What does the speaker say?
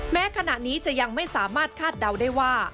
แม้ขณะนี้จะยังไม่สามารถคาดเดาได้ว่า